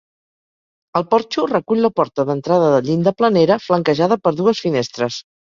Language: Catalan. El porxo recull la porta d'entrada de llinda planera, flanquejada per dues finestres.